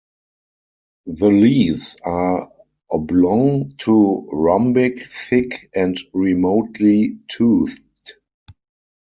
The leaves are oblong to rhombic, thick, and remotely toothed.